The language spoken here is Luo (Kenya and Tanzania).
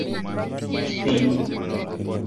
Omena ng’ich dhi